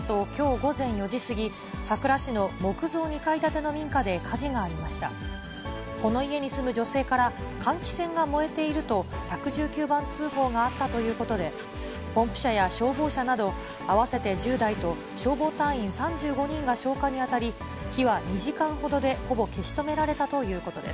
この家に住む女性から、換気扇が燃えていると１１９番通報があったということで、ポンプ車や消防車など合わせて１０台と、消防隊員３５人が消火に当たり、火は２時間ほどでほぼ消し止められたということです。